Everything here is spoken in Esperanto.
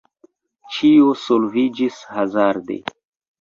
Ĉio solviĝis hazarde.